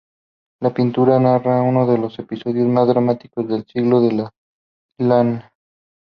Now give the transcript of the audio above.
La pintura narra uno de los episodios más dramáticos del ciclo de la Ilíada.